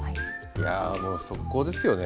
いやもう即行ですよね。